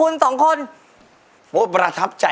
ยิ่งเสียใจ